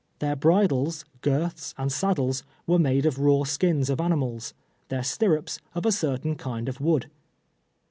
Their bridles, girths and saddles ■svere made of raw skins of animals ; their stirrups of a certain kiiul of wood.